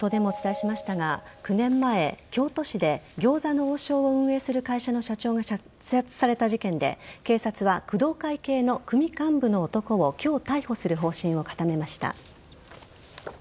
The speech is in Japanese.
冒頭でもお伝えしましたが９年前、京都市で餃子の王将を運営する会社の社長が射殺された事件で警察は工藤会系の組幹部の男を逮捕する方針を固めました。